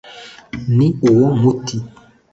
ni uwo umuti.